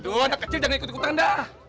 aduh anak kecil jangan ikut ikut anda